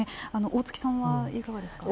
大槻さんはいかがですか？